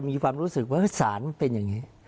มีความรู้สึกว่าสารมันเป็นอย่างนี้